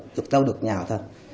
được đâu được nhờ thôi